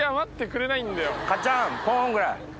カチャンポンぐらい。